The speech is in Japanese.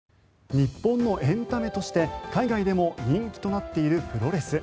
日本のエンタメとして海外でも人気となっているプロレス。